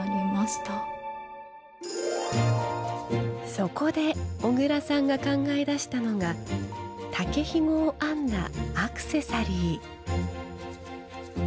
そこで小倉さんが考え出したのが竹ひごを編んだアクセサリー。